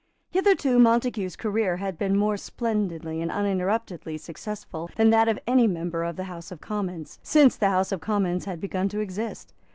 Hitherto Montague's career had been more splendidly and uninterruptedly successful than that of any member of the House of Commons, since the House of Commons had begun to exist.